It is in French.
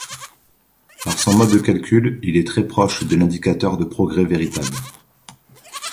Par son mode de calcul, il est très proche de l'Indicateur de progrès véritable.